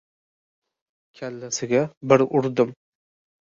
Kallasiga bir urdim.